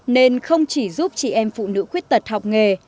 nên không chỉ giúp chị em phụ nữ khuyết tật học nghề